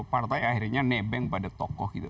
partai akhirnya nebeng pada tokoh gitu